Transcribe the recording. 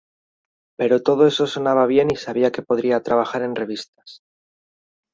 Pero todo eso sonaba bien y sabía que podría trabajar en revistas".